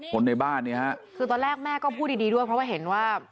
คนในบ้านเนี่ยฮะคือตอนแรกแม่ก็พูดดีดีด้วยเพราะว่าเห็นว่า